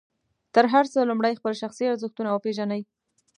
تر هر څه لومړی خپل شخصي ارزښتونه وپېژنئ.